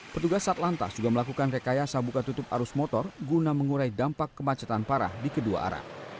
petugas satlantas juga melakukan rekayasa buka tutup arus motor guna mengurai dampak kemacetan parah di kedua arah